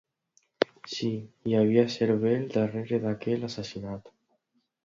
Sí, hi havia cervells darrere d'aquell assassinat.